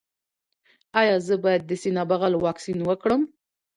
ایا زه باید د سینه بغل واکسین وکړم؟